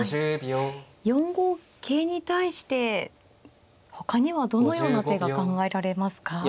４五桂に対してほかにはどのような手が考えられますか。